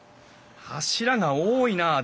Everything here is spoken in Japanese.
柱が多いなあ